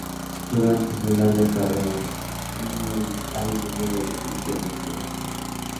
Durante su larga carrera, Viñoly ha diseñado edificios en todo el mundo.